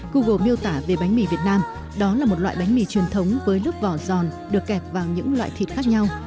google miêu tả về bánh mì việt nam đó là một loại bánh mì truyền thống với lớp vỏ giòn được kẹp vào những loại thịt khác nhau